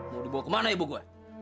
mau dibawa kemana ibu gua